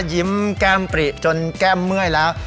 ยิ้มแก้มปริจนแก้มเมื่อยแล้ว